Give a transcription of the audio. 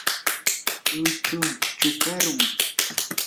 luychu chukarum.